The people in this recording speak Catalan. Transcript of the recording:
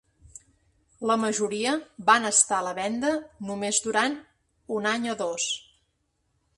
La majoria van estar a la venda només durant un any o dos.